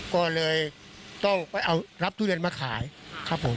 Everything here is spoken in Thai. ก็เลยต้องไปเอารับทุเรียนมาขายครับผม